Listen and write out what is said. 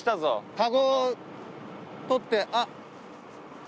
カゴを取ってあっ。